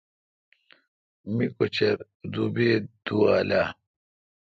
می کچر دوبی اے°دُوال اہ۔